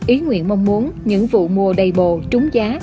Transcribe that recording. ý nguyện mong muốn những vụ mùa đầy bồ trúng giá